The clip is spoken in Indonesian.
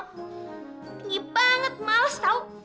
tinggi banget males tau